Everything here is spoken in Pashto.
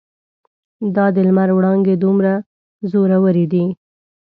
دا د لمر وړانګې دومره زورورې دي.